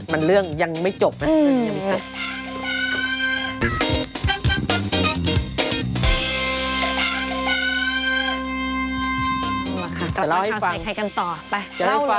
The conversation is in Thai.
มันเรื่องยังไม่จบนะ